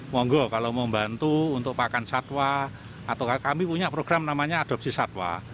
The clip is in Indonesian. monggo kalau membantu untuk pakan satwa atau kami punya program namanya adopsi satwa